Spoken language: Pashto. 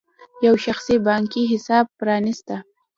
یو شخصي بانکي حساب پرانېسته.